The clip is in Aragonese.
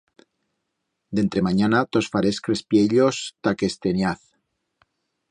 D'entre manyana tos faré es crespiellos ta que es teniaz.